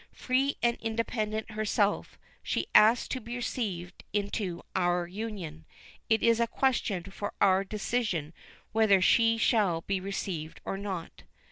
Free and independent herself, she asks to be received into our Union. It is a question for our own decision whether she shall be received or not.